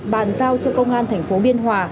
bàn giao cho công an thành phố biên hòa